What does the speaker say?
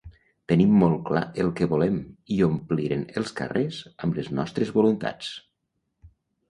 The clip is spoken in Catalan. Tenim molt clar el que volem i ompliren els carrers amb les nostres voluntats!